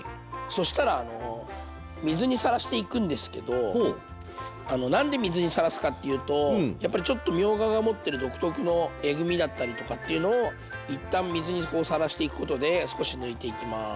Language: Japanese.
そしたら水にさらしていくんですけど何で水にさらすかっていうとやっぱりちょっとみょうがが持ってる独特のえぐみだったりとかっていうのを一旦水にこうさらしていくことで少し抜いていきます。